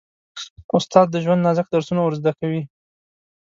استاد د ژوند نازک درسونه ور زده کوي.